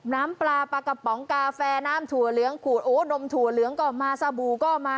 น้ำปลาปลากระป๋องกาแฟน้ำถั่วเหลืองขูดโอ้นมถั่วเหลืองก็มาสบู่ก็มา